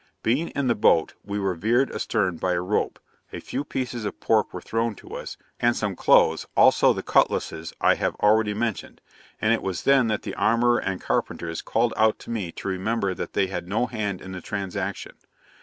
Being in the boat, we were veered astern by a rope, a few pieces of pork were thrown to us, and some clothes, also the cutlasses I have already mentioned; and it was then that the armourer and carpenters called out to me to remember that they had no hand in the transaction.